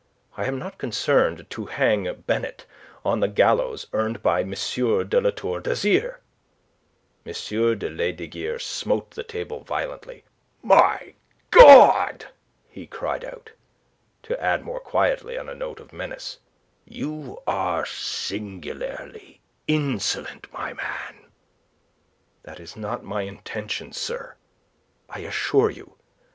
I am not concerned to hang Benet on the gallows earned by M. de La Tour d'Azyr." M. de Lesdiguieres smote the table violently. "My God!" he cried out, to add more quietly, on a note of menace, "You are singularly insolent, my man." "That is not my intention, sir, I assure you.